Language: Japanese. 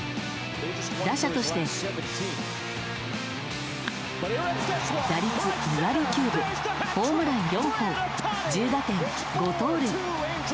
打者として打率２割９分ホームラン４本、１０打点５盗塁。